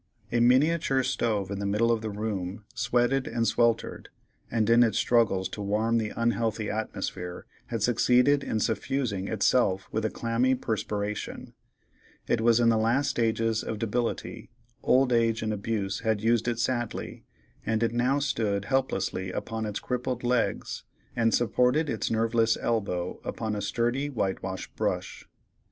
A miniature stove in the middle of the room, sweated and sweltered, and in its struggles to warm the unhealthy atmosphere had succeeded in suffusing itself with a clammy perspiration; it was in the last stages of debility; old age and abuse had used it sadly, and it now stood helplessly upon its crippled legs, and supported its nerveless elbow upon a sturdy whitewash brush.